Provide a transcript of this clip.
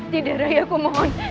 tidak raik aku mohon